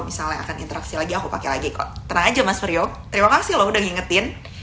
misalnya akan interaksi lagi aku pakai lagi kok tenang aja mas priok terima kasih loh udah ngingetin